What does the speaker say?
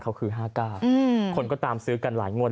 เขาคือห้าเก้าคนก็ตามซื้อกันหลายงวด